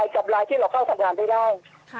กับรายที่เราเข้าทำงานไม่ได้